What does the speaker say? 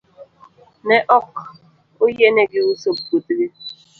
Ne ok oyienegi uso puothgi.